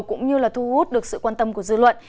cũng như là thu hút được sự quan tâm của dư luận